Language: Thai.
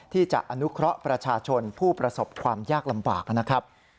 ที่จะอนุเคราะห์ประชาชนผู้ประสบความยากลำบากนะครับ